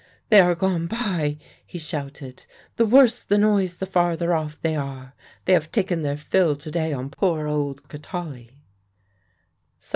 'They are gone by,' he shouted; 'the worse the noise the farther off they are. They have taken their fill to day on poor old Kotali.'